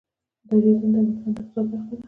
دریابونه د افغانستان د اقتصاد برخه ده.